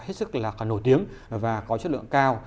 hết sức là nổi tiếng và có chất lượng cao